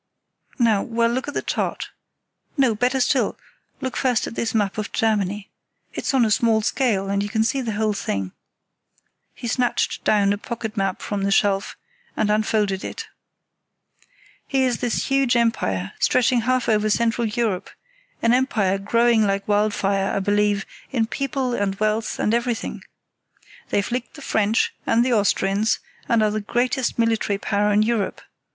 "Now—well, look at the chart. No, better still, look first at this map of Germany. It's on a small scale, and you can see the whole thing." He snatched down a pocket map from the shelf and unfolded it. [See Map A] "Here's this huge empire, stretching half over central Europe—an empire growing like wildfire, I believe, in people, and wealth, and everything. They've licked the French, and the Austrians, and are the greatest military power in Europe.